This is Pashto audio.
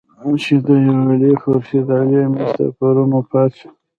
چې د دېولۍ خورشېد علي امير صېب پرون وفات شۀ